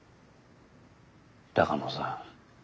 鷹野さん。